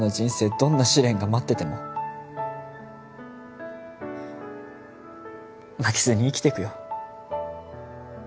どんな試練が待ってても負けずに生きてくよ